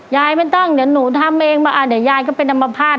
ยายไม่ต้องเดี๋ยวหนูทำเองมาเดี๋ยวยายก็เป็นอัมพาต